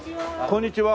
こんにちは。